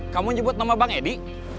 kamu nyebut nama bang edi